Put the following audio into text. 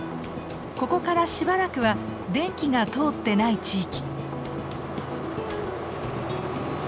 ここからしばらくは電気が通ってない地域。